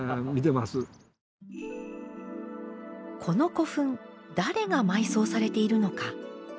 この古墳誰が埋葬されているのか。